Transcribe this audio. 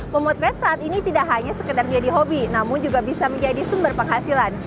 memotret saat ini tidak hanya sekedar menjadi hobi namun juga bisa menjadi sumber penghasilan